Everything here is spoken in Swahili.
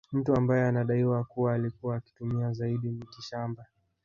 Mtu ambaye anadaiwa kuwa alikuwa akitumia zaidi mitishamba